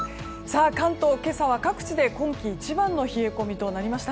関東、今朝は各地で今季一番の冷え込みとなりました。